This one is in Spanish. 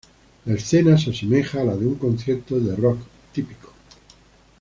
La escena se asemeja a la de un concierto de rock típico.